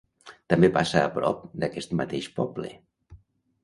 També passa a prop d'aquest mateix poble.